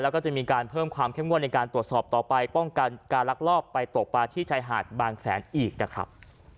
แล้วก็จะมีการเพิ่มความเข้มงวดในการตรวจสอบต่อไปป้องกันการลักลอบไปตกปลาที่ชายหาดบางแสนอีกนะครับ